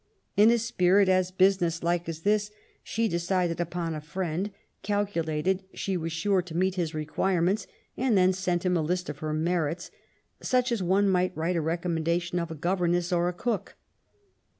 In a spirit as busi ness like as his, she decided upon a friend^ calculated she was sure to meet his requirements, and then sent him a list of her merits, much as one might write a recommendation of a governess or a cook.